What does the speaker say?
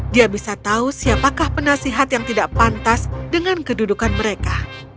dia bisa tahu siapakah penasihat yang tidak pantas dengan kedudukan mereka